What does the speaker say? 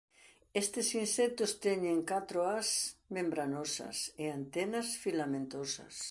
Estes insectos teñen catro ás membranosas e antenas filamentosas.